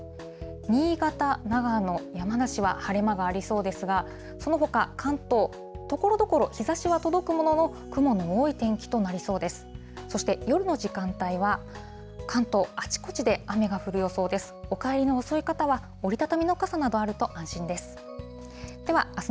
新潟、長野、山梨は晴れ間がありそうですが、そのほか、関東、ところどころ日ざしは届くものの、雲の多い天気となりそうです。